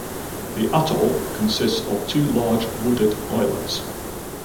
The atoll consists of two large wooded islets.